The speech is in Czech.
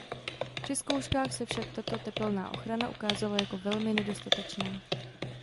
Při zkouškách se však tato tepelná ochrana ukázala jako velmi nedostatečná.